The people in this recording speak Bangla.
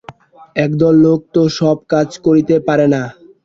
একদল লোক তো সব কাজ করিতে পারে না।